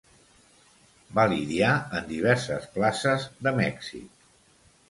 Va lidiar en diverses places de Mèxic.